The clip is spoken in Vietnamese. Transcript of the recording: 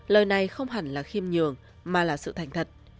lời này không hẳn là khiêm nhường mà là sự thành thật